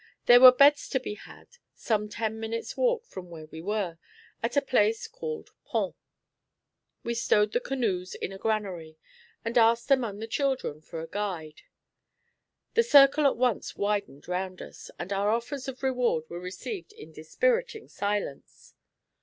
There were beds to be had some ten minutes' walk from where we were, at a place called Pont. We stowed the canoes in a granary, and asked among the children for a guide. The circle at once widened round us, and our offers of reward were received in dispiriting silence.